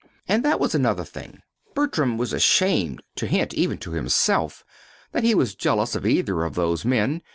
And that was another thing. Bertram was ashamed to hint even to himself that he was jealous of either of those men.